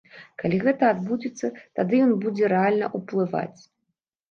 Калі гэта адбудзецца, тады ён будзе рэальна ўплываць.